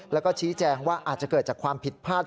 แล้วก็ชี้แจงว่าอาจจะเกิดจากความผิดพลาด